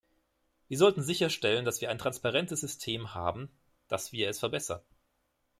Wir sollten sicherstellen, dass wir ein transparentes System haben, dass wir es verbessern.